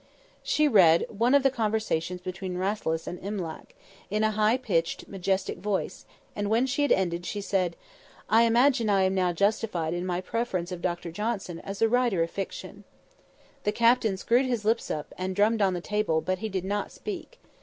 She read one of the conversations between Rasselas and Imlac, in a high pitched, majestic voice: and when she had ended, she said, "I imagine I am now justified in my preference of Dr Johnson as a writer of fiction." The Captain screwed his lips up, and drummed on the table, but he did not speak.